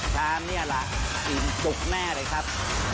ชามนี่แหละอิ่มจุกแน่เลยครับ